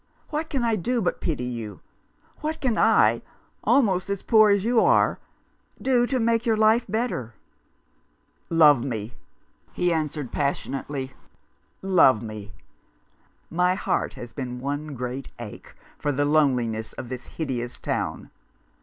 What can I do but pity you ? What can I — almost as poor as you are — do to make your life better ?"" Love me !" he answered passionately. " Love me. My heart has been one great ache for the loneliness of this hideous town.